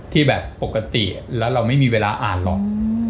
ที่แบบปกติแล้วเราไม่มีเวลาอ่านหรอก